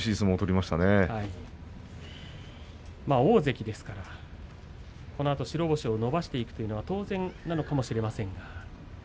まあ、大関ですからこのあと白星を伸ばしていくというのは当然なのかもしれませんが。